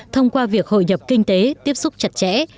thông qua việc hội nhập kinh tế tiếp xúc chặt chẽ